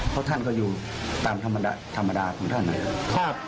เพราะท่านก็อยู่ตามธรรมดาของท่านนะครับ